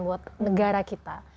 buat negara kita